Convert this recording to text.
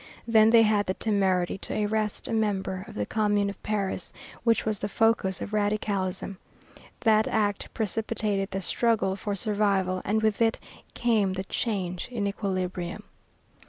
Then they had the temerity to arrest a member of the Commune of Paris, which was the focus of radicalism. That act precipitated the struggle for survival and with it came the change in equilibrium.